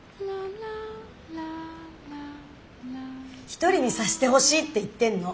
一人にさせてほしいって言ってんの！